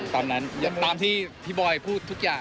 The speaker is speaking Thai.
ตามนั้นตามที่พี่บอยพูดทุกอย่าง